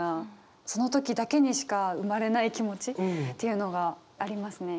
その時だけにしか生まれない気持ちっていうのがありますね。